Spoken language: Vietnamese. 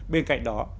bên cạnh đó